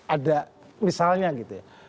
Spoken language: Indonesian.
ada misalnya gitu ya